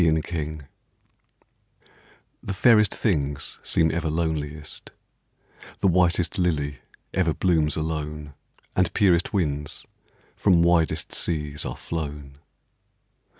62 BEAUTY The fairest things seem ever loneliest: The whitest lily ever blooms alone, And purest winds from widest seas are flown.